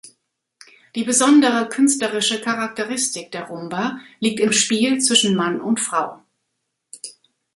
Die besondere künstlerische Charakteristik der Rumba liegt im Spiel zwischen Mann und Frau.